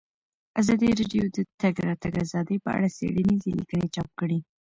ازادي راډیو د د تګ راتګ ازادي په اړه څېړنیزې لیکنې چاپ کړي.